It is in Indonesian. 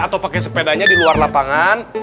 atau pakai sepedanya di luar lapangan